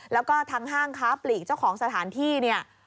แล้วก็ทางห้างค้าปลีกเจ้าของสถานที่เนี่ย